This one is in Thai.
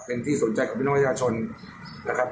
เป็นที่สนใจของพิมพ์นักงานชาชนนะครับ